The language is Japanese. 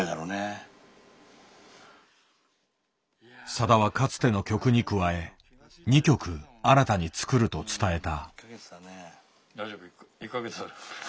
さだはかつての曲に加え２曲新たに作ると伝えた。